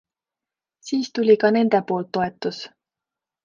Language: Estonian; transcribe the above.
Siis tuli ka nende poolt toetus.